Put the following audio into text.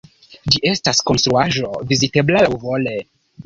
Ĝi estas konstruaĵo vizitebla laŭvole.